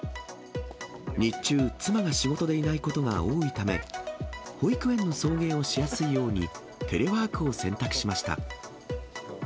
日中、妻が仕事でいないことが多いため、保育園の送迎をしやすいように、テレワークを選択しました。